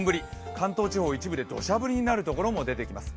関東地方、一部でどしゃ降りになるところも出てきます。